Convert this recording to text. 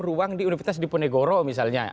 ruang di universitas diponegoro misalnya